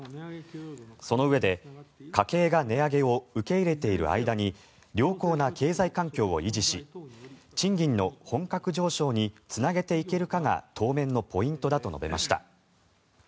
そのうえで家計が値上げを受け入れている間に良好な経済環境を維持し賃金の本格上昇につなげていけるかが当面のポイントだと述べました。